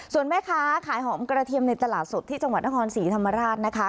ส่วนแม่ค้าขายหอมกระเทียมในตลาดสดที่จังหวัดนครศรีธรรมราชนะคะ